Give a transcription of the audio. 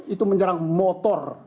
itu menyerang motor